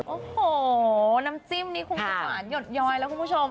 โอ้โหน้ำจิ้มนี่คงจะหวานหยดยอยแล้วคุณผู้ชม